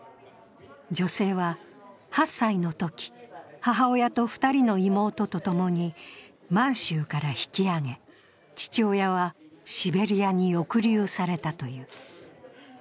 女性は８歳のとき、母親と２人の妹とともに満州から引き揚げ、父親はシベリアに抑留されたという。